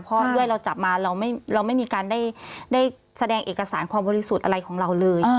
เพราะด้วยเราจับมาเราไม่มีการได้แสดงเอกสารความบริสุทธิ์อะไรของเราเลย